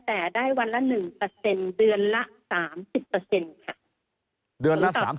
แต่ได้วันละ๑เดือนละ๓๐ค่ะ